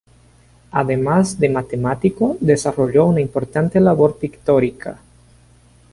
Además de matemático desarrolló una importante labor pictórica.